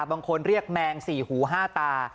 บางคนเรียกแมงสี่หูห้าตา